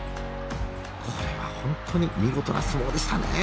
これは本当に見事な相撲でしたね。